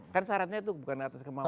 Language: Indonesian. kan syaratnya itu bukan atas kemampuan